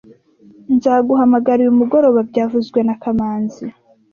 Nzaguhamagara uyu mugoroba byavuzwe na kamanzi